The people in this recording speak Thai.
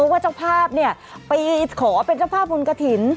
ว่าเจ้าภาพเนี่ยไปขอเป็นเจ้าภาพเงินกฐิน